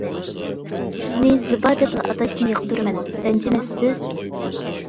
سىزنى زىبا دەپلا ئاتاشنى ياقتۇرىمەن، رەنجىمەسسىز؟ !